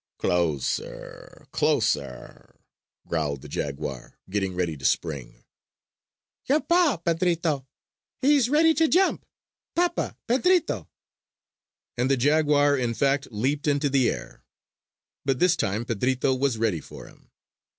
"Closer, closer," growled the jaguar, getting ready to spring. "Your paw, Pedrito! He's ready to jump! Papa, Pedrito!" And the jaguar, in fact, leaped into the air. But this time Pedrito was ready for him.